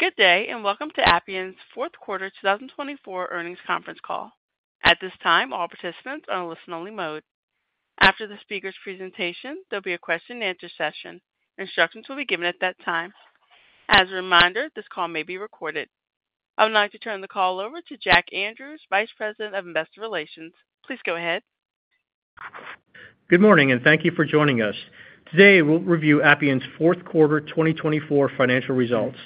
Good day, and welcome to Appian's Q4 2024 earnings conference call. At this time, all participants are in listen-only mode. After the speaker's presentation, there'll be a question-and-answer session. Instructions will be given at that time. As a reminder, this call may be recorded. I would like to turn the call over to Jack Andrews, Vice President of Investor Relations. Please go ahead. Good morning, and thank you for joining us. Today, we'll review Appian's Q4 2024 financial results.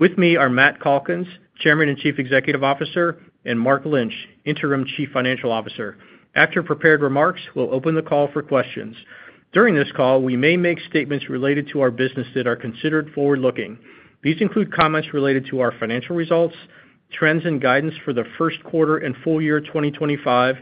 With me are Matt Calkins, Chairman and Chief Executive Officer, and Mark Lynch, Interim Chief Financial Officer. After prepared remarks, we'll open the call for questions. During this call, we may make statements related to our business that are considered forward-looking. These include comments related to our financial results, trends and guidance for Q1 and full year 2025,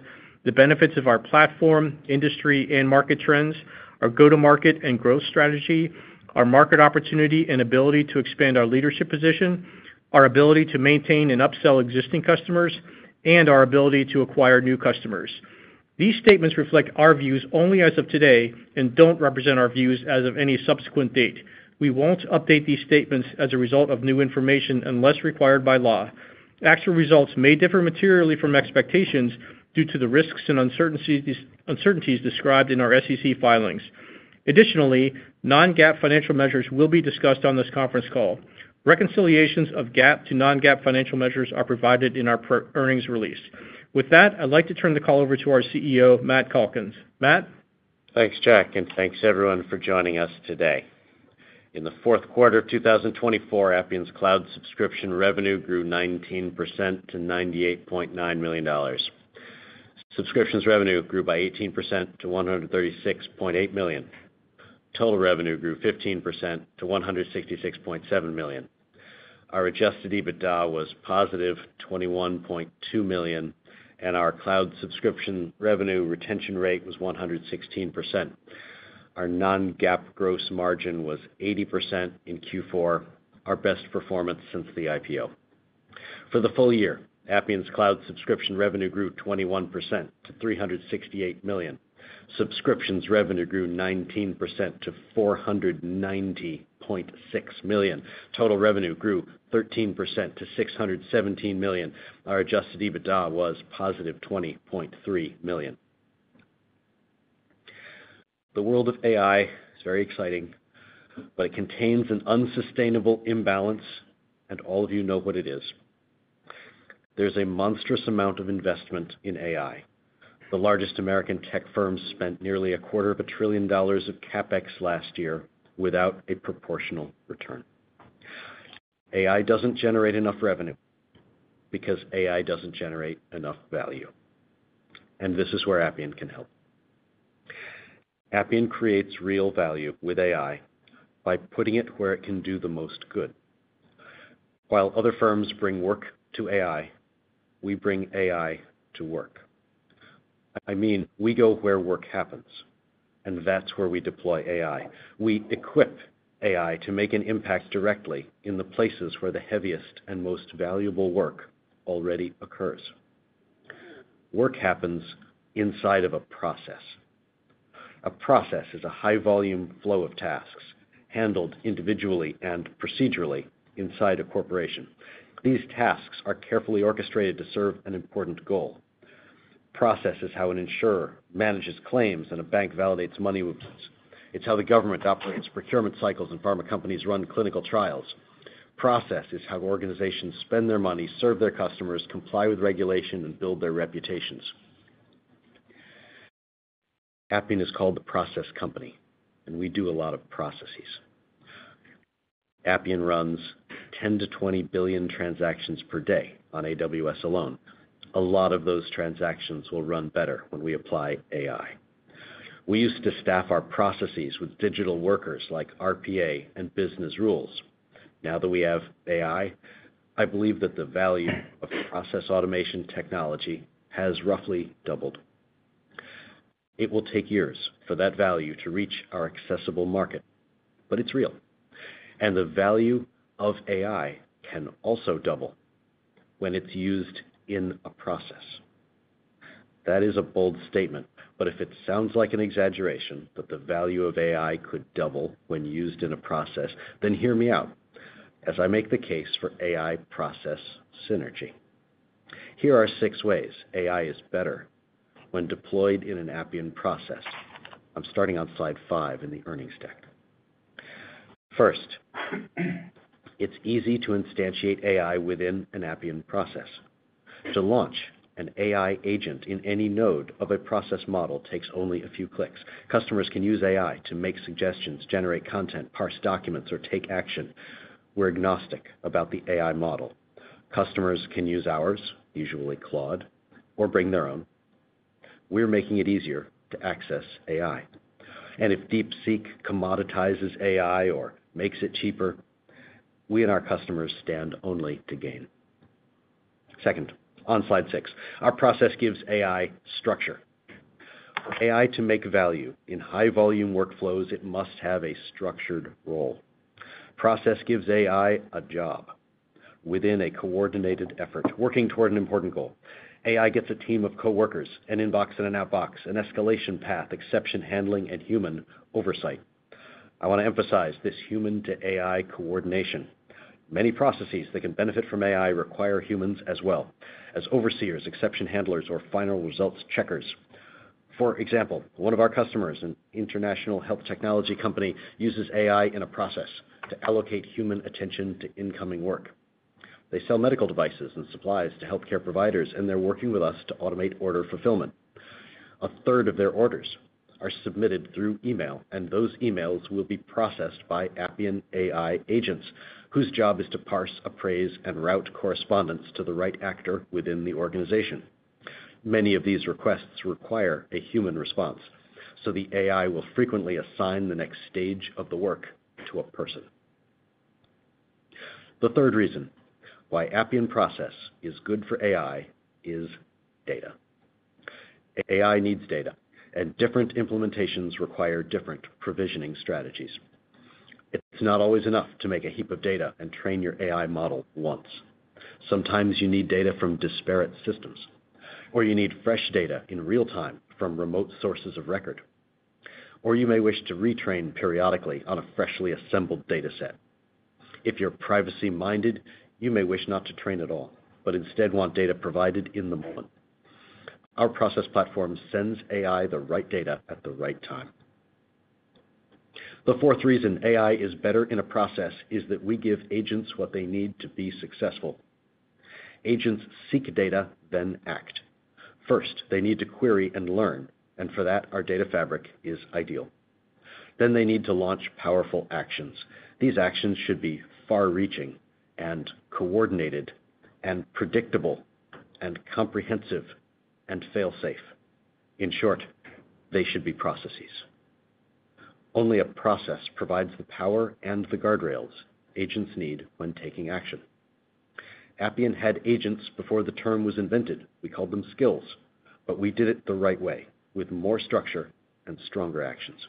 the benefits of our platform, industry, and market trends, our go-to-market and growth strategy, our market opportunity and ability to expand our leadership position, our ability to maintain and upsell existing customers, and our ability to acquire new customers. These statements reflect our views only as of today and don't represent our views as of any subsequent date. We won't update these statements as a result of new information unless required by law. Actual results may differ materially from expectations due to the risks and uncertainties described in our SEC filings. Additionally, non-GAAP financial measures will be discussed on this conference call. Reconciliations of GAAP to non-GAAP financial measures are provided in our earnings release. With that, I'd like to turn the call over to our CEO, Matt Calkins. Matt. Thanks, Jack, and thanks everyone for joining us today. In the Q4 of 2024, Appian's cloud subscription revenue grew 19% to $98.9 million. Subscriptions revenue grew by 18% to $136.8 million. Total revenue grew 15% to $166.7 million. Our Adjusted EBITDA was positive $21.2 million, and our cloud subscription revenue retention rate was 116%. Our non-GAAP gross margin was 80% in Q4, our best performance since the IPO. For the full year, Appian's cloud subscription revenue grew 21% to $368 million. Subscriptions revenue grew 19% to $490.6 million. Total revenue grew 13% to $617 million. Our Adjusted EBITDA was positive $20.3 million. The world of AI is very exciting, but it contains an unsustainable imbalance, and all of you know what it is. There's a monstrous amount of investments in AI. The largest American tech firm spent nearly $250 billion of CapEx last year without a proportional return. AI doesn't generate enough revenue because AI doesn't generate enough value, and this is where Appian can help. Appian creates real value with AI by putting it where it can do the most good. While other firms bring work to AI, we bring AI to work. I mean, we go where work happens, and that's where we deploy AI. We equip AI to make an impact directly in the places where the heaviest and most valuable work already occurs. Work happens inside of a process. A process is a high-volume flow of tasks handled individually and procedurally inside a corporation. These tasks are carefully orchestrated to serve an important goal. Process is how an insurer manages claims and a bank validates money with it. It's how the government operates procurement cycles and pharma companies run clinical trials. Process is how organizations spend their money, serve their customers, comply with regulation, and build their reputations. Appian is called the process company, and we do a lot of processes. Appian runs 10-20 billion transactions per day on AWS alone. A lot of those transactions will run better when we apply AI. We used to staff our processes with digital workers like RPA and business rules. Now that we have AI, I believe that the value of process automation technology has rou ghly doubled. It will take years for that value to reach our addressable market, but it's real, and the value of AI can also double when it's used in a process. That is a bold statement, but if it sounds like an exaggeration that the value of AI could double when used in a process, then hear me out as I make the case for AI process synergy. Here are six ways AI is better when deployed in an Appian process. I'm starting on slide five in the earnings deck. First, it's easy to instantiate AI within an Appian process. To launch an AI agent in any node of a process model takes only a few clicks. Customers can use AI to make suggestions, generate content, parse documents, or take action. We're agnostic about the AI model. Customers can use ours, usually Claude, or bring their own. We're making it easier to access AI. And if DeepSeek commoditizes AI or makes it cheaper, we and our customers stand only to gain. Second, on slide six, our process gives AI structure. For AI to make value in high-volume workflows, it must have a structured role. Process gives AI a job within a coordinated effort working toward an important goal. AI gets a team of coworkers, an inbox and an outbox, an escalation path, exception handling, and human oversight. I want to emphasize this human-to-AI coordination. Many processes that can benefit from AI require humans as well, as overseers, exception handlers, or final results checkers. For example, one of our customers, an international health technology company, uses AI in a process to allocate human attention to incoming work. They sell medical devices and supplies to healthcare providers, and they're working with us to automate order fulfillment. A third of their orders are submitted through email, and those emails will be processed by Appian AI Agents, whose job is to parse, appraise, and route correspondence to the right actor within the organization. Many of these requests require a human response, so the AI will frequently assign the next stage of the work to a person. The third reason why Appian process is good for AI is data. AI needs data, and different implementations require different provisioning strategies. It's not always enough to make a heap of data and train your AI model once. Sometimes you need data from disparate systems, or you need fresh data in real time from remote sources of record, or you may wish to retrain periodically on a freshly assembled data set. If you're privacy-minded, you may wish not to train at all, but instead want data provided in the moment. Our process platform sends AI the right data at the right time. The fourth reason AI is better in a process is that we give agents what they need to be successful. Agents seek data, then act. First, they need to query and learn, and for that, our data fabric is ideal. Then they need to launch powerful actions. These actions should be far-reaching and coordinated and predictable and comprehensive and fail-safe. In short, they should be processes. Only a process provides the power and the guardrails agents need when taking action. Appian had agents before the term was invented. We called them skills, but we did it the right way with more structure and stronger actions.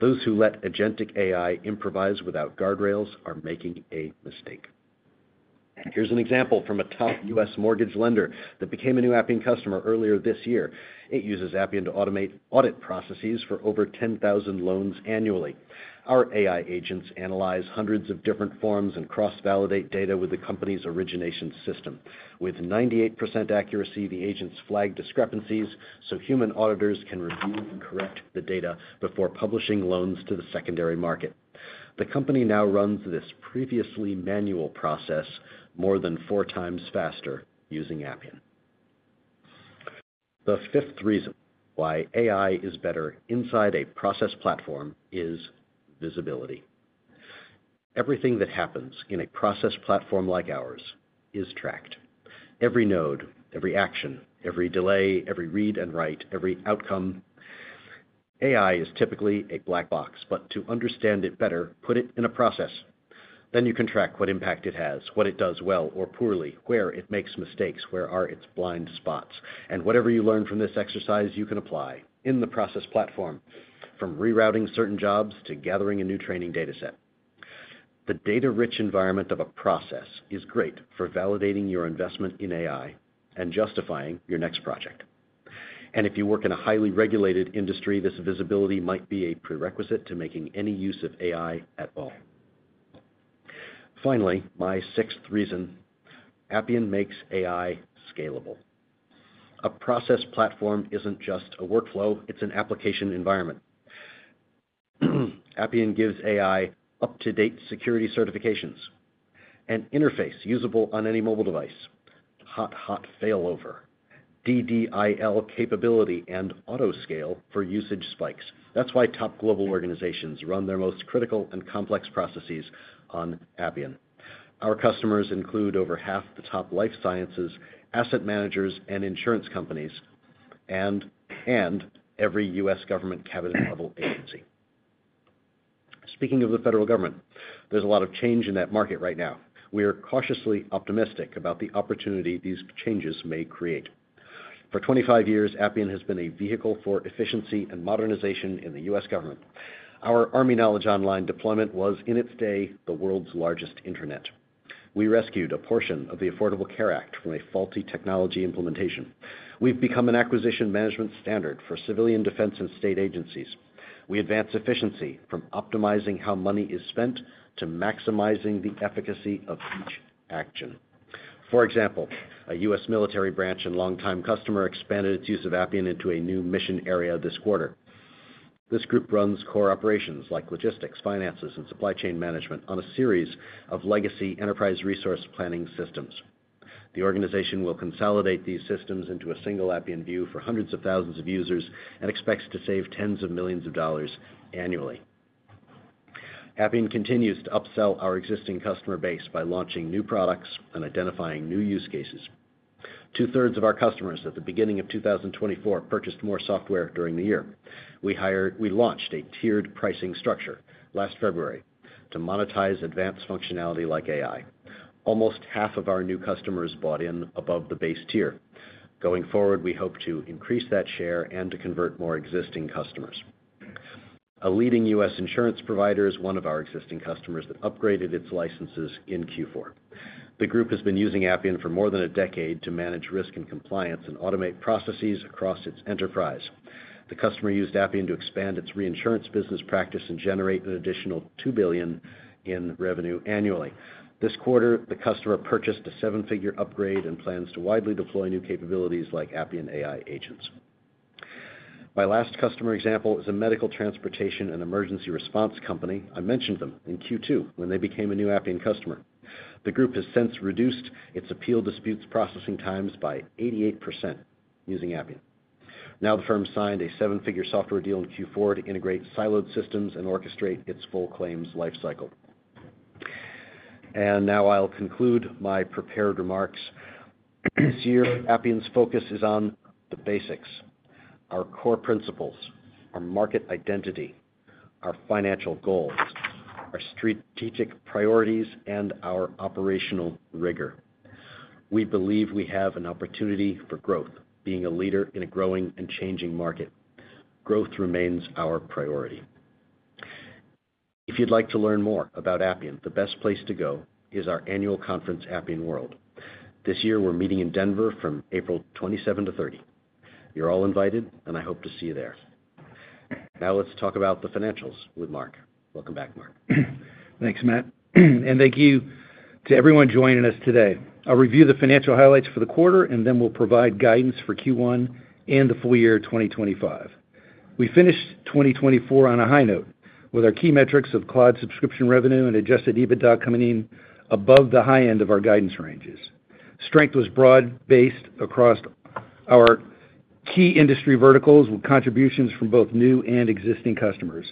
Those who let agentic AI improvise without guardrails are making a mistake. Here's an example from a top U.S. mortgage lender that became a new Appian customer earlier this year. It uses Appian to automate audit processes for over 10,000 loans annually. Our AI agents analyze hundreds of different forms and cross-validate data with the company's origination system. With 98% accuracy, the agents flag discrepancies so human auditors can review and correct the data before publishing loans to the secondary market. The company now runs this previously manual process more than four times faster using Appian. The fifth reason why AI is better inside a process platform is visibility. Everything that happens in a process platform like ours is tracked. Every node, every action, every delay, every read and write, every outcome. AI is typically a black box, but to understand it better, put it in a process. Then you can track what impact it has, what it does well or poorly, where it makes mistakes, where are its blind spots. And whatever you learn from this exercise, you can apply in the process platform, from rerouting certain jobs to gathering a new training data set. The data-rich environment of a process is great for validating your investment in AI and justifying your next project. And if you work in a highly regulated industry, this visibility might be a prerequisite to making any use of AI at all. Finally, my sixth reason, Appian makes AI scalable. A process platform isn't just a workflow. It's an application environment. Appian gives AI up-to-date security certifications, an interface usable on any mobile device, hot-hot failover, DDIL capability, and autoscale for usage spikes. That's why top global organizations run their most critical and complex processes on Appian. Our customers include over half the top life sciences, asset managers, and insurance companies, and every U.S. government cabinet-level agency. Speaking of the federal government, there's a lot of change in that market right now. We are cautiously optimistic about the opportunity these changes may create. For 25 years, Appian has been a vehicle for efficiency and modernization in the U.S. government. Our Army Knowledge Online deployment was, in its day, the world's largest intranet. We rescued a portion of the Affordable Care Act from a faulty technology implementation. We've become an acquisition management standard for civilian defense and state agencies. We advance efficiency from optimizing how money is spent to maximizing the efficacy of each action. For example, a U.S. military branch and longtime customer expanded its use of Appian into a new mission area this quarter. This group runs core operations like logistics, finances, and supply chain management on a series of legacy enterprise resource planning systems. The organization will consolidate these systems into a single Appian view for hundreds of thousands of users and expects to save tens of millions of dollars annually. Appian continues to upsell our existing customer base by launching new products and identifying new use cases. Two-thirds of our customers at the beginning of 2024 purchased more software during the year. We launched a tiered pricing structure last February to monetize advanced functionality like AI. Almost half of our new customers bought in above the base tier. Going forward, we hope to increase that share and to convert more existing customers. A leading U.S. insurance provider is one of our existing customers that upgraded its licenses in Q4. The group has been using Appian for more than a decade to manage risk and compliance and automate processes across its enterprise. The customer used Appian to expand its reinsurance business practice and generate an additional $2 billion in revenue annually. This quarter, the customer purchased a seven-figure upgrade and plans to widely deploy new capabilities like Appian AI agents. My last customer example is a medical transportation and emergency response company. I mentioned them in Q2 when they became a new Appian customer. The group has since reduced its appeal disputes processing times by 88% using Appian. Now the firm signed a seven-figure software deal in Q4 to integrate siloed systems and orchestrate its full claims lifecycle. And now I'll conclude my prepared remarks. This year, Appian's focus is on the basics, our core principles, our market identity, our financial goals, our strategic priorities, and our operational rigor. We believe we have an opportunity for growth, being a leader in a growing and changing market. Growth remains our priority. If you'd like to learn more about Appian, the best place to go is our annual conference, Appian World. This year, we're meeting in Denver from April 27-April 30. You're all invited, and I hope to see you there. Now let's talk about the financials with Mark. Welcome back, Mark. Thanks, Matt. And thank you to everyone joining us today. I'll review the financial highlights for the quarter, and then we'll provide guidance for Q1 and the full year 2025. We finished 2024 on a high note with our key metrics of cloud subscription revenue and Adjusted EBITDA coming in above the high end of our guidance ranges. Strength was broad-based across our key industry verticals with contributions from both new and existing customers.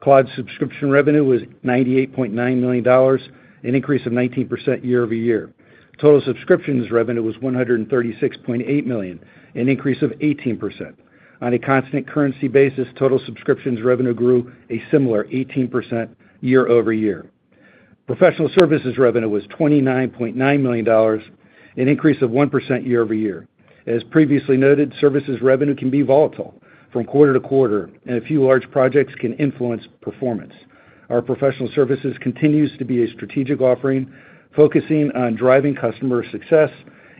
Cloud subscription revenue was $98.9 million, an increase of 19% year-over-year. Total subscriptions revenue was $136.8 million, an increase of 18%. On a constant currency basis, total subscriptions revenue grew a similar 18% year-over-year. Professional services revenue was $29.9 million, an increase of 1% year-over-year. As previously noted, services revenue can be volatile from quarter-to-quarter, and a few large projects can influence performance. Our professional services continues to be a strategic offering focusing on driving customer success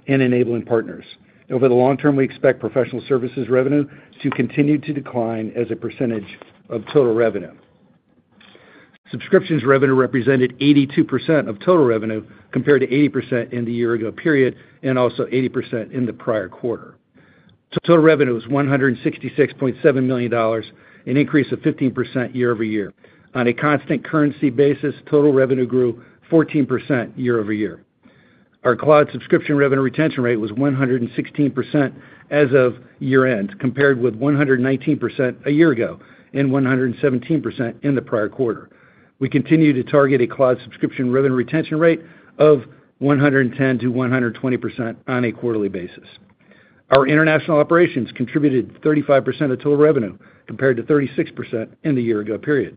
and enabling partners. Over the long term, we expect professional services revenue to continue to decline as a percentage of total revenue. Subscriptions revenue represented 82% of total revenue compared to 80% in the year ago period and also 80% in the prior quarter. Total revenue was $166.7 million, an increase of 15% year-over-year. On a constant currency basis, total revenue grew 14% year-over-year. Our cloud subscription revenue retention rate was 116% as of year-end, compared with 119% a year ago and 117% in the prior quarter. We continue to target a cloud subscription revenue retention rate of 110%-120% on a quarterly basis. Our international operations contributed 35% of total revenue compared to 36% in the year ago period.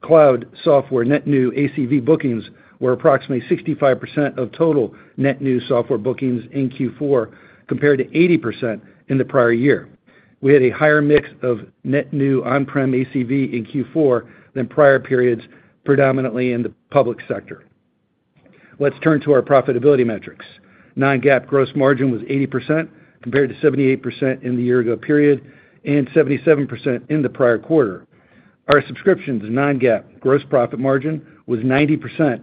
Cloud software net new ACV bookings were approximately 65% of total net new software bookings in Q4 compared to 80% in the prior year. We had a higher mix of net new on-prem ACV in Q4 than prior periods, predominantly in the public sector. Let's turn to our profitability metrics. Non-GAAP gross margin was 80% compared to 78% in the year ago period and 77% in the prior quarter. Our subscriptions non-GAAP gross profit margin was 90%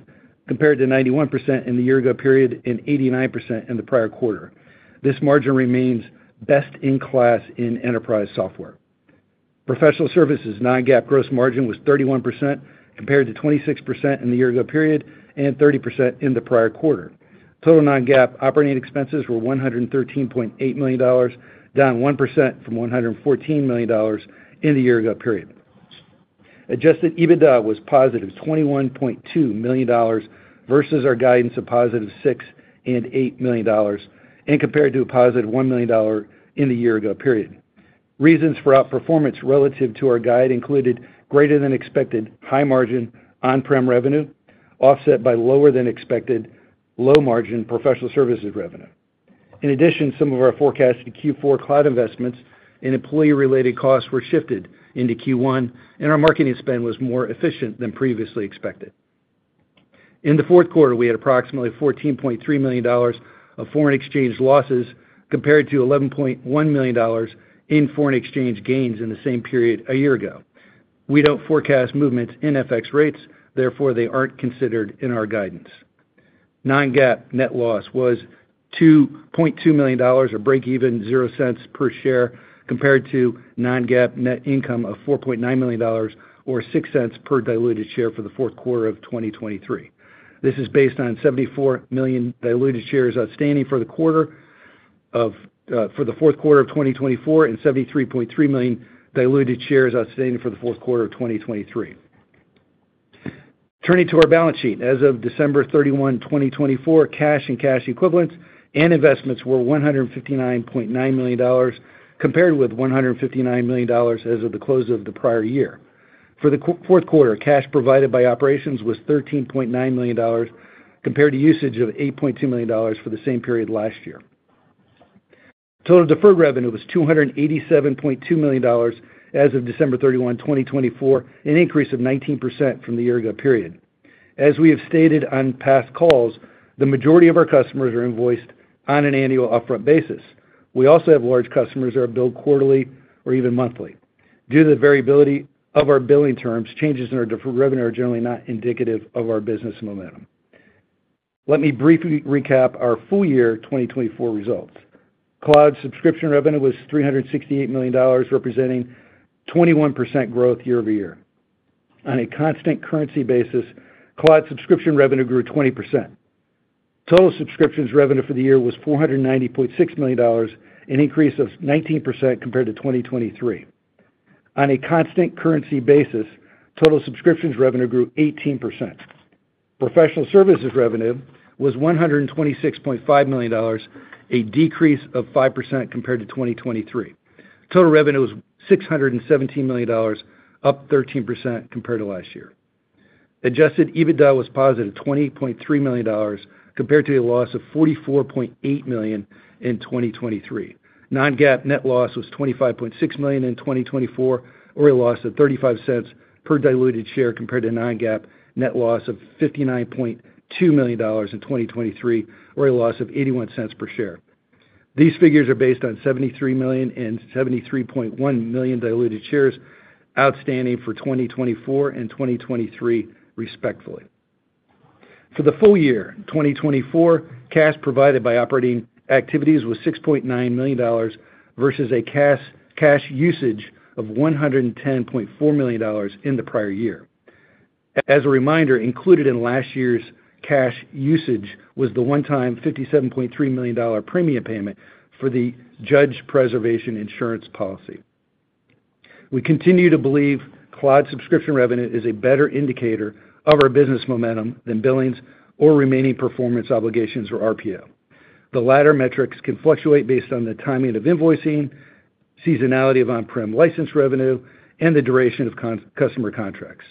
compared to 91% in the year ago period and 89% in the prior quarter. This margin remains best in class in enterprise software. Professional services non-GAAP gross margin was 31% compared to 26% in the year ago period and 30% in the prior quarter. Total non-GAAP operating expenses were $113.8 million, down 1% from $114 million in the year ago period. Adjusted EBITDA was positive $21.2 million versus our guidance of positive $6-$8 million and compared to a positive $1 million in the year ago period. Reasons for outperformance relative to our guide included greater than expected high margin on-prem revenue offset by lower than expected low margin professional services revenue. In addition, some of our forecasted Q4 cloud investments and employee-related costs were shifted into Q1, and our marketing spend was more efficient than previously expected. In the Q4, we had approximately $14.3 million of foreign exchange losses compared to $11.1 million in foreign exchange gains in the same period a year ago. We don't forecast movements in FX rates. Therefore, they aren't considered in our guidance. Non-GAAP net loss was $2.2 million or break-even $0.00 per share compared to non-GAAP net income of $4.9 million or $0.06 per diluted share for the Q4 of 2023. This is based on 74 million diluted shares outstanding for Q4 of 2024 and 73.3 million diluted shares outstanding for Q4 of 2023. Turning to our balance sheet, as of December 31, 2024, cash and cash equivalents and investments were $159.9 million compared with $159 million as of the close of the prior year. For Q4, cash provided by operations was $13.9 million compared to usage of $8.2 million for the same period last year. Total deferred revenue was $287.2 million as of December 31, 2024, an increase of 19% from the year ago period. As we have stated on past calls, the majority of our customers are invoiced on an annual upfront basis. We also have large customers that are billed quarterly or even monthly. Due to the variability of our billing terms, changes in our deferred revenue are generally not indicative of our business momentum. Let me briefly recap our full year 2024 results. Cloud subscription revenue was $368 million, representing 21% growth year-over-year. On a constant currency basis, cloud subscription revenue grew 20%. Total subscriptions revenue for the year was $490.6 million, an increase of 19% compared to 2023. On a constant currency basis, total subscriptions revenue grew 18%. Professional services revenue was $126.5 million, a decrease of 5% compared to 2023. Total revenue was $617 million, up 13% compared to last year. Adjusted EBITDA was positive $20.3 million compared to a loss of $44.8 million in 2023. Non-GAAP net loss was $25.6 million in 2024, or a loss of $0.35 per diluted share compared to non-GAAP net loss of $59.2 million in 2023, or a loss of $0.81 per share. These figures are based on 73 million and 73.1 million diluted shares outstanding for 2024 and 2023, respectively. For the full year 2024, cash provided by operating activities was $6.9 million versus a cash usage of $110.4 million in the prior year. As a reminder, included in last year's cash usage was the one-time $57.3 million premium payment for the Judgement Preservation Insurance policy. We continue to believe cloud subscription revenue is a better indicator of our business momentum than billings or remaining performance obligations or RPO. The latter metrics can fluctuate based on the timing of invoicing, seasonality of on-prem license revenue, and the duration of customer contracts.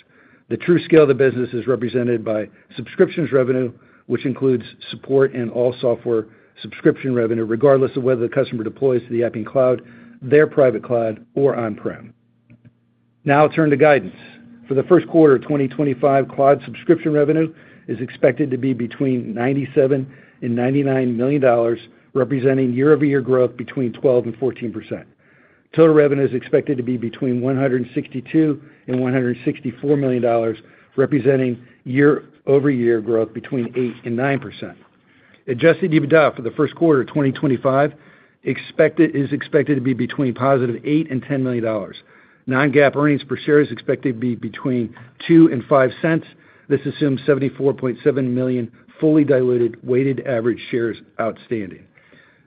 The true scale of the business is represented by subscription revenue, which includes support and all software subscription revenue, regardless of whether the customer deploys to the Appian Cloud, their private cloud, or on-prem. Now I'll turn to guidance. For Q1 of 2025, cloud subscription revenue is expected to be between $97 million and $99 million, representing year-over-year growth between 12% and 14%. Total revenue is expected to be between $162 million and $164 million, representing year-over-year growth between 8% and 9%. Adjusted EBITDA for Q1 of 2025 is expected to be between positive $8 million and $10 million. Non-GAAP earnings per share is expected to be between $0.02 and $0.05. This assumes $74.7 million fully diluted weighted average shares outstanding.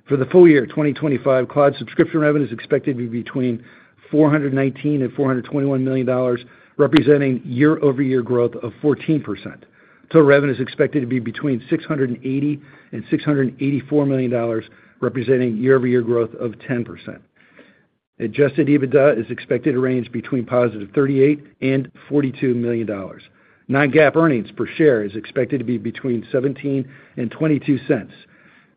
For the full year 2025, cloud subscription revenue is expected to be between $419 million and $421 million, representing year-over-year growth of 14%. Total revenue is expected to be between $680 million and $684 million, representing year-over-year growth of 10%. Adjusted EBITDA is expected to range between positive $38 million and $42 million. Non-GAAP earnings per share is expected to be between $0.17 and $0.22.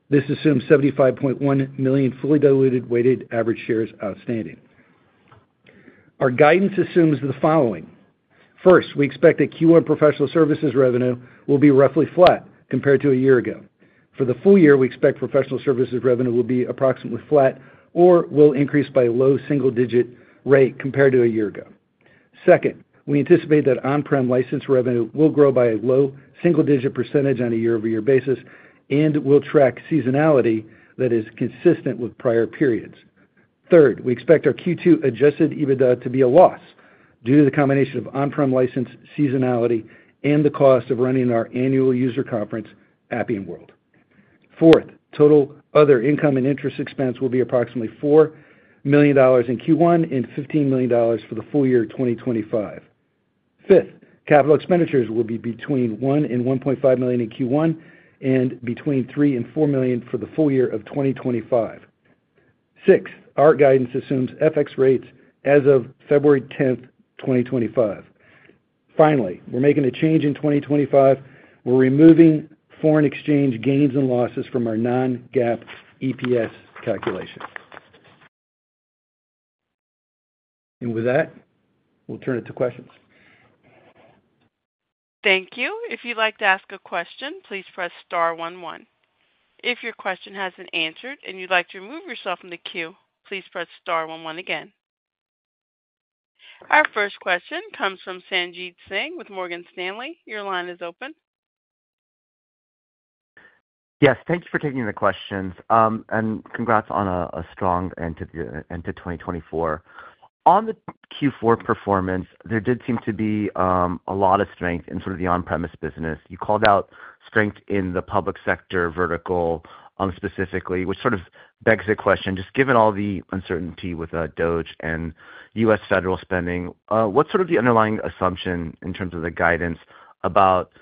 This assumes 75.1 million fully diluted weighted average shares outstanding. Our guidance assumes the following. First, we expect that Q1 professional services revenue will be roughly flat compared to a year ago. For the full year, we expect professional services revenue will be approximately flat or will increase by a low single-digit rate compared to a year ago. Second, we anticipate that on-prem license revenue will grow by a low single-digit percentage on a year-over-year basis and will track seasonality that is consistent with prior periods. Third, we expect our Q2 Adjusted EBITDA to be a loss due to the combination of on-prem license seasonality and the cost of running our annual user conference, Appian World. Fourth, total other income and interest expense will be approximately $4 million in Q1 and $15 million for the full year 2025. Fifth, capital expenditures will be between $1 million and $1.5 million in Q1 and between $3 million and $4 million for the full year of 2025. Sixth, our guidance assumes FX rates as of February 10, 2025. Finally, we're making a change in 2025. We're removing foreign exchange gains and losses from our non-GAAP EPS calculation. And with that, we'll turn it to questions. Thank you. If you'd like to ask a question, please press star one one. If your question hasn't answered and you'd like to remove yourself from the queue, please press star one one again. Our first question comes from Sanjit Singh with Morgan Stanley. Your line is open. Yes. Thank you for taking the questions. And congrats on a strong end to 2024. On the Q4 performance, there did seem to be a lot of strength in sort of the on-premise business. You called out strength in the public sector vertical specifically, which sort of begs the question, just given all the uncertainty with DOGE and U.S. federal spending, what's sort of the underlying assumption in terms of the guidance about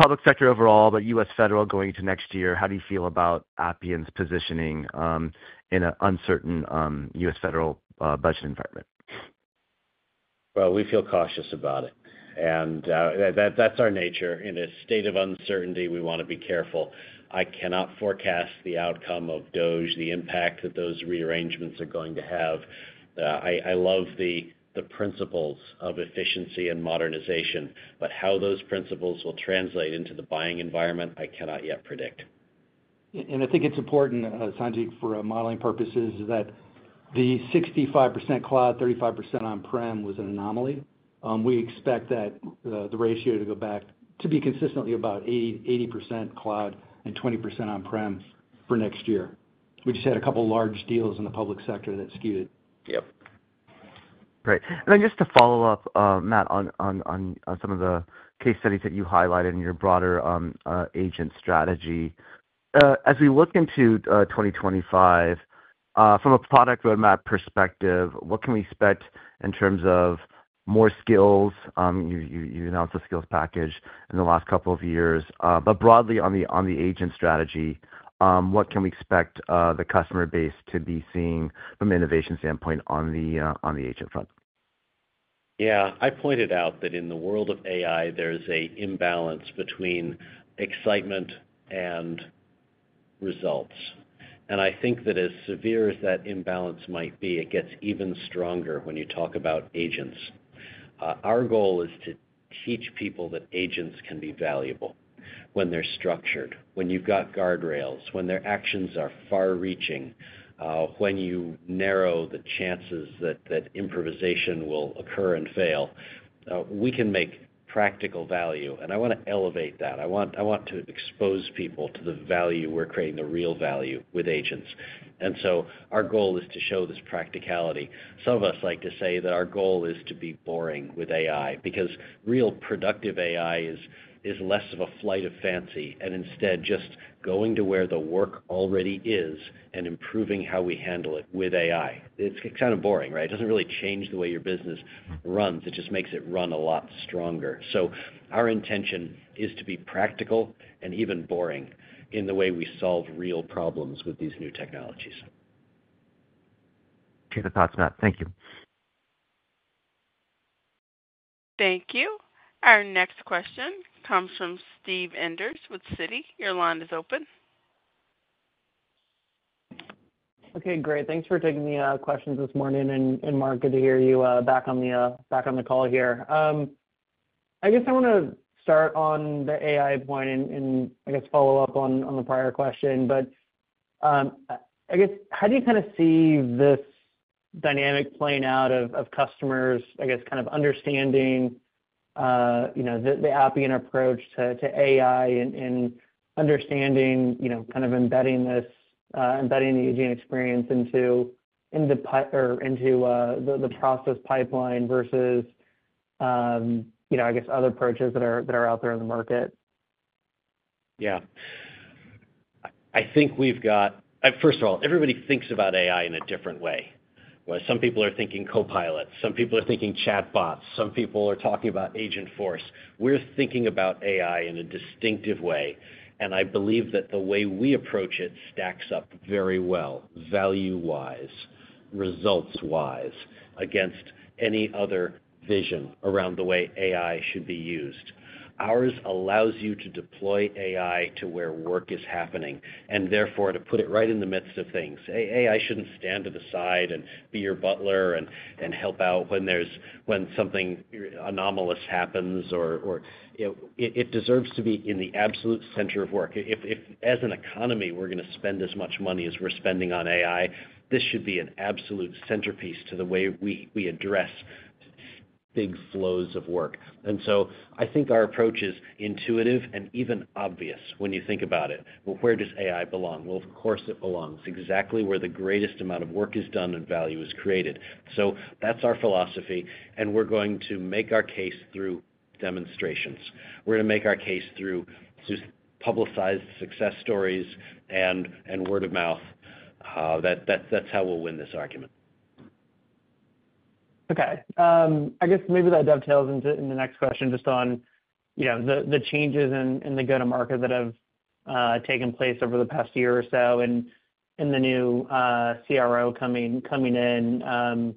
public sector overall, but U.S. federal going into next year? How do you feel about Appian's positioning in an uncertain U.S. federal budget environment? Well, we feel cautious about it. And that's our nature. In a state of uncertainty, we want to be careful. I cannot forecast the outcome of DOGE, the impact that those rearrangements are going to have. I love the principles of efficiency and modernization, but how those principles will translate into the buying environment, I cannot yet predict. And I think it's important, Sanjit, for modeling purposes that the 65% cloud, 35% on-prem was an anomaly. We expect that the ratio to go back to be consistently about 80% cloud and 20% on-prem for next year. We just had a couple of large deals in the public sector that skewed it. Great. And then just to follow up, Matt, on some of the case studies that you highlighted in your broader agent strategy. As we look into 2025, from a product roadmap perspective, what can we expect in terms of more skills? You announced a skills package in the last couple of years. But broadly, on the agent strategy, what can we expect the customer base to be seeing from an innovation standpoint on the agent front? Yeah. I pointed out that in the world of AI, there is an imbalance between excitement and results. And I think that as severe as that imbalance might be, it gets even stronger when you talk about agents. Our goal is to teach people that agents can be valuable when they're structured, when you've got guardrails, when their actions are far-reaching, when you narrow the chances that improvisation will occur and fail. We can make practical value. And I want to elevate that. I want to expose people to the value we're creating, the real value with agents. And so our goal is to show this practicality. Some of us like to say that our goal is to be boring with AI because real productive AI is less of a flight of fancy and instead just going to where the work already is and improving how we handle it with AI. It's kind of boring, right? It doesn't really change the way your business runs. It just makes it run a lot stronger. So our intention is to be practical and even boring in the way we solve real problems with these new technologies. Okay. Those thoughts, Matt. Thank you. Thank you. Our next question comes from Steve Enders with Citi. Your line is open. Okay. Great. Thanks for taking the questions this morning, and Mark, good to hear you back on the call here. I guess I want to start on the AI point and, I guess, follow up on the prior question. But I guess, how do you kind of see this dynamic playing out of customers, I guess, kind of understanding the Appian approach to AI and understanding kind of embedding the agent experience into the process pipeline versus, I guess, other approaches that are out there in the market? Yeah. I think we've got first of all, everybody thinks about AI in a different way. Some people are thinking Copilot. Some people are thinking chatbots. Some people are talking about Agentforce. We're thinking about AI in a distinctive way. And I believe that the way we approach it stacks up very well, value-wise, results-wise, against any other vision around the way AI should be used. Ours allows you to deploy AI to where work is happening and therefore to put it right in the midst of things. AI shouldn't stand to the side and be your butler and help out when something anomalous happens or it deserves to be in the absolute center of work. If, as an economy, we're going to spend as much money as we're spending on AI, this should be an absolute centerpiece to the way we address big flows of work, and so I think our approach is intuitive and even obvious when you think about it. Where does AI belong? Of course, it belongs exactly where the greatest amount of work is done and value is created, so that's our philosophy, and we're going to make our case through demonstrations. We're going to make our case through publicized success stories and word of mouth. That's how we'll win this argument. Okay. I guess maybe that dovetails into the next question, just on the changes in the go-to-market that have taken place over the past year or so and the new CRO coming in.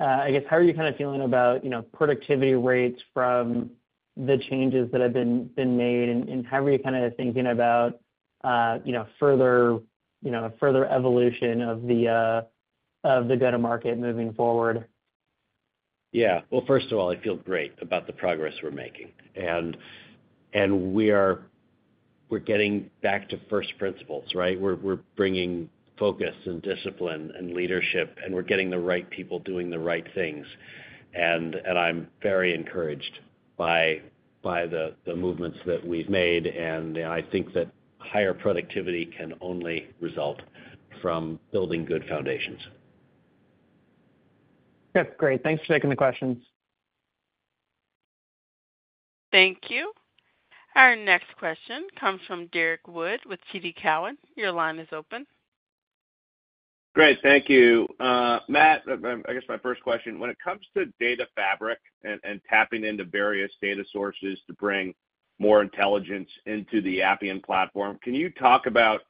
I guess, how are you kind of feeling about productivity rates from the changes that have been made? And how are you kind of thinking about further evolution of the go-to-market moving forward? Yeah. Well, first of all, I feel great about the progress we're making. And we're getting back to first principles, right? We're bringing focus and discipline and leadership, and we're getting the right people doing the right things. And I'm very encouraged by the movements that we've made. And I think that higher productivity can only result from building good foundations. That's great. Thanks for taking the questions. Thank you. Our next question comes from Derrick Wood with TD Cowen. Your line is open. Great. Thank you. Matt, I guess my first question, when it comes to data fabric and tapping into various data sources to bring more intelligence into the Appian platform, can you talk about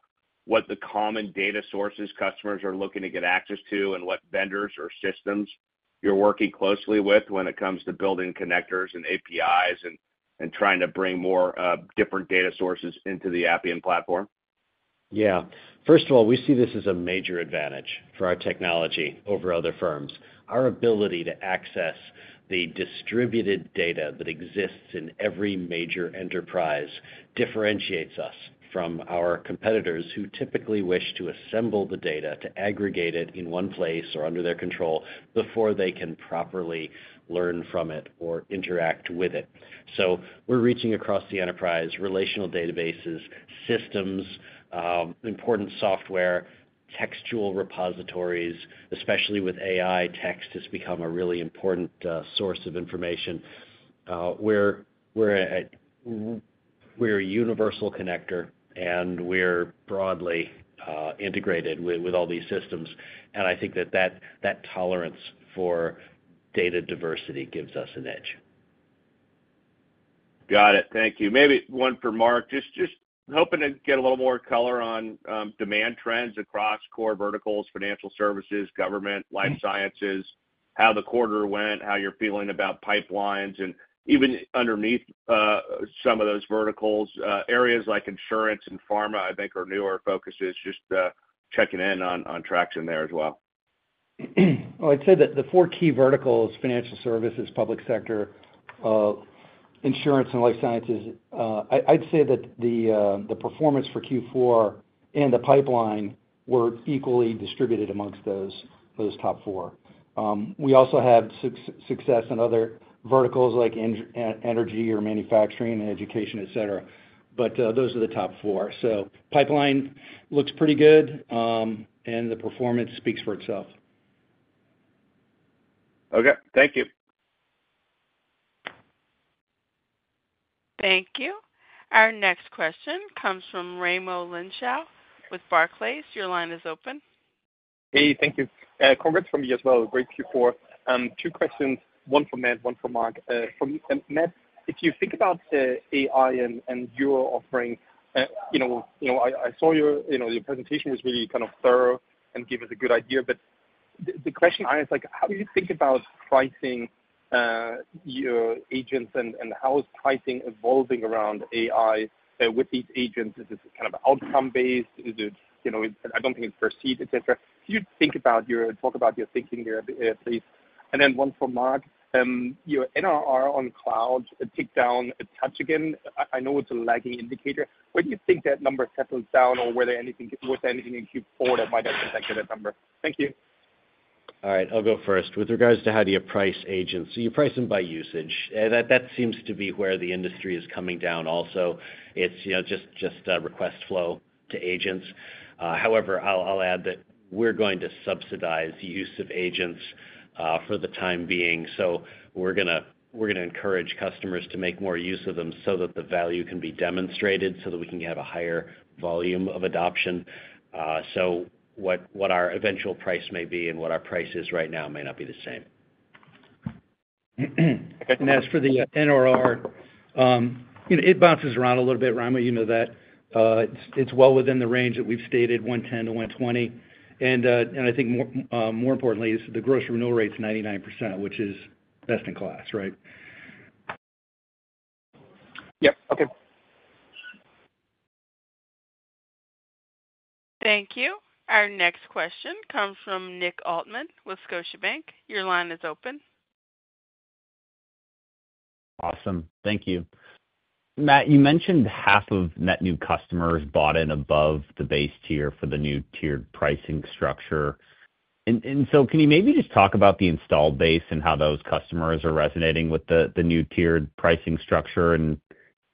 what the common data sources customers are looking to get access to and what vendors or systems you're working closely with when it comes to building connectors and APIs and trying to bring more different data sources into the Appian platform? Yeah. First of all, we see this as a major advantage for our technology over other firms. Our ability to access the distributed data that exists in every major enterprise differentiates us from our competitors who typically wish to assemble the data to aggregate it in one place or under their control before they can properly learn from it or interact with it. So, we're reaching across the enterprise, relational databases, systems, important software, textual repositories, especially with AI. Text has become a really important source of information. We're a universal connector, and we're broadly integrated with all these systems. And I think that that tolerance for data diversity gives us an edge. Got it. Thank you. Maybe one for Mark. Just hoping to get a little more color on demand trends across core verticals, financial services, government, life sciences, how the quarter went, how you're feeling about pipelines, and even underneath some of those verticals, areas like insurance and pharma, I think, are newer focuses. Just checking in on traction there as well. Well, I'd say that the four key verticals, financial services, public sector, insurance, and life sciences. I'd say that the performance for Q4 and the pipeline were equally distributed among those top four. We also have success in other verticals like energy or manufacturing and education, etc. But those are the top four. So pipeline looks pretty good, and the performance speaks for itself. Okay. Thank you. Thank you. Our next question comes from Raimo Lenschow with Barclays. Your line is open. Hey, thank you. Congrats from Barclays. Great Q4. Two questions, one for Matt, one for Mark. Matt, if you think about the AI and your offering, I saw your presentation was really kind of thorough and gave us a good idea. But the question I ask, how do you think about pricing your agents and how is pricing evolving around AI with these agents? Is it kind of outcome-based? Or per seat, etc. Could you talk about your thinking there, please? And then one for Mark. Your NRR on cloud ticked down a touch again. I know it's a lagging indicator. Where do you think that number settles down or was there anything in Q4 that might have impacted that number? Thank you. All right. I'll go first. With regards to how do you price agents? So you price them by usage. That seems to be where the industry is coming down also. It's just a request flow to agents. However, I'll add that we're going to subsidize the use of agents for the time being. So we're going to encourage customers to make more use of them so that the value can be demonstrated so that we can have a higher volume of adoption. So what our eventual price may be and what our price is right now may not be the same. And as for the NRR, it bounces around a little bit. Raimo, you know that. It's well within the range that we've stated, 110-120. And I think more importantly, the gross renewal rate's 99%, which is best in class, right? Yep. Okay. Thank you. Our next question comes from Nick Altmann with Scotiabank. Your line is open. Awesome. Thank you. Matt, you mentioned half of net new customers bought in above the base tier for the new tiered pricing structure. And so can you maybe just talk about the installed base and how those customers are resonating with the new tiered pricing structure? And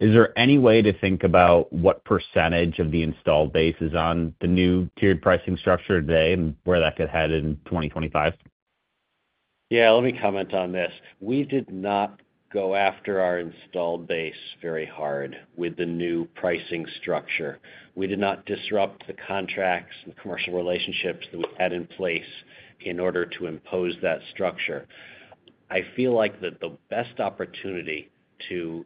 is there any way to think about what percentage of the installed base is on the new tiered pricing structure today and where that could head in 2025? Yeah. Let me comment on this. We did not go after our installed base very hard with the new pricing structure. We did not disrupt the contracts and commercial relationships that we had in place in order to impose that structure. I feel like that the best opportunity to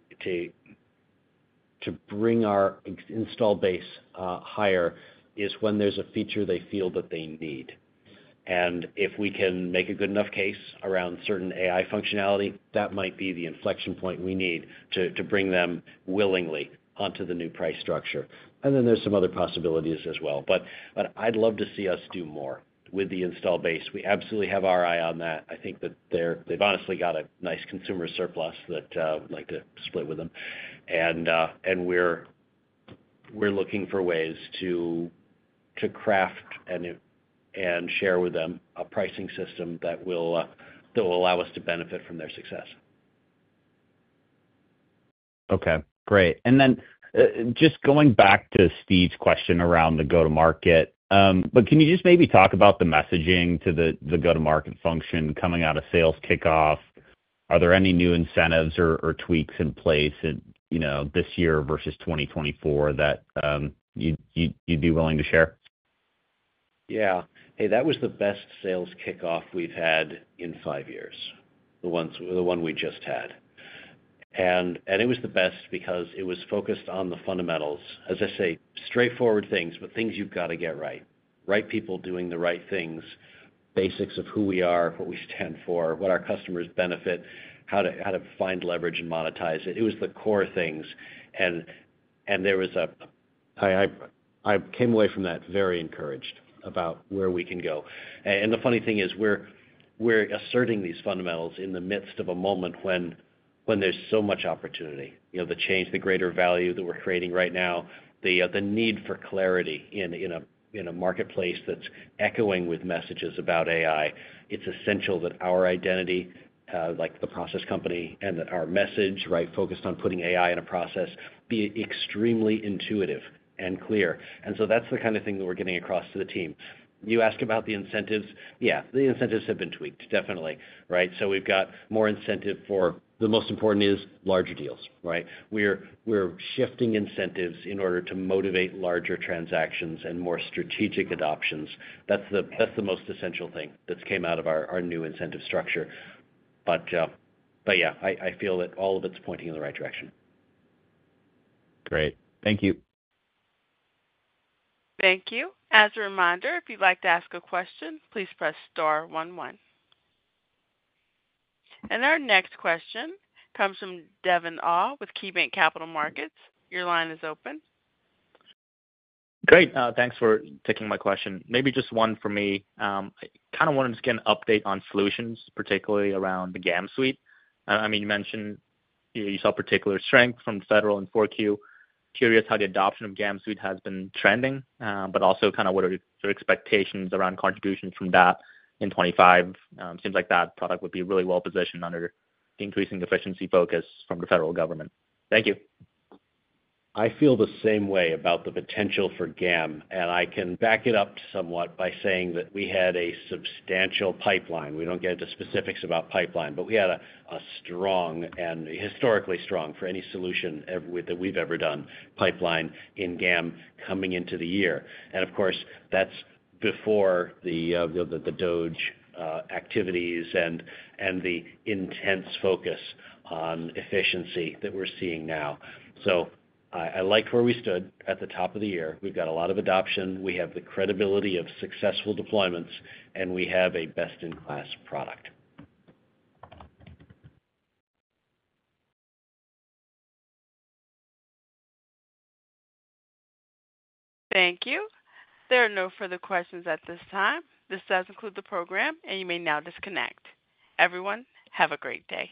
bring our installed base higher is when there's a feature they feel that they need, and if we can make a good enough case around certain AI functionality, that might be the inflection point we need to bring them willingly onto the new price structure, and then there's some other possibilities as well, but I'd love to see us do more with the installed base. We absolutely have our eye on that. I think that they've honestly got a nice consumer surplus that we'd like to split with them, and we're looking for ways to craft and share with them a pricing system that will allow us to benefit from their success. Okay. Great. And then just going back to Steve's question around the go-to-market, but can you just maybe talk about the messaging to the go-to-market function coming out of sales kickoff? Are there any new incentives or tweaks in place this year versus 2024 that you'd be willing to share? Yeah. Hey, that was the best sales kickoff we've had in five years, the one we just had. And it was the best because it was focused on the fundamentals. As I say, straightforward things, but things you've got to get right. Right people doing the right things, basics of who we are, what we stand for, what our customers benefit, how to find leverage and monetize it. It was the core things. And there was a... I came away from that very encouraged about where we can go. The funny thing is we're asserting these fundamentals in the midst of a moment when there's so much opportunity. The change, the greater value that we're creating right now, the need for clarity in a marketplace that's echoing with messages about AI. It's essential that our identity, like the process company, and our message, right, focused on putting AI in a process, be extremely intuitive and clear. That's the kind of thing that we're getting across to the team. You ask about the incentives. Yeah. The incentives have been tweaked, definitely, right? We've got more incentive for the most important is larger deals, right? We're shifting incentives in order to motivate larger transactions and more strategic adoptions. That's the most essential thing that's came out of our new incentive structure. But yeah, I feel that all of it's pointing in the right direction. Great. Thank you. Thank you. As a reminder, if you'd like to ask a question, please press star one one. And our next question comes from Devin Au with KeyBanc Capital Markets. Your line is open. Great. Thanks for taking my question. Maybe just one for me. I kind of wanted to get an update on solutions, particularly around the GAM suite. I mean, you mentioned you saw particular strength from federal in Q4. Curious how the adoption of GAM suite has been trending, but also kind of what are your expectations around contributions from that in 2025? Seems like that product would be really well positioned under increasing efficiency focus from the federal government. Thank you. I feel the same way about the potential for GAM. And I can back it up somewhat by saying that we had a substantial pipeline. We don't get into specifics about pipeline, but we had a strong and historically strong for any solution that we've ever done, pipeline in GAM coming into the year. And of course, that's before the DOGE activities and the intense focus on efficiency that we're seeing now. So I like where we stood at the top of the year. We've got a lot of adoption. We have the credibility of successful deployments, and we have a best-in-class product. Thank you. There are no further questions at this time. This concludes the program, and you may now disconnect. Everyone, have a great day.